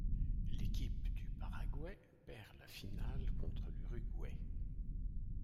L'équipe du Paraguay perd la finale contre l'Uruguay.